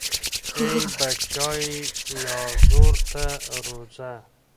ای بچای، یازور ته روڅه